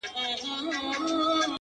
o زما سره يې دومره ناځواني وكړله ،